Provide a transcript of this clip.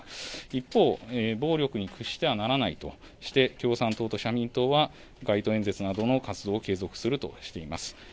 一方、暴力に屈してはならないとして、共産党と社民党は、街頭演説などの活動を継続するとしています。